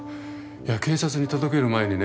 警察に届ける前にね